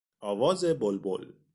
آواز بلبل